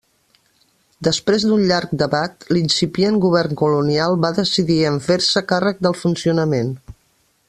Després d'un llarg debat, l'incipient govern colonial va decidir en fer-se càrrec del funcionament.